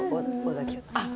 あっ！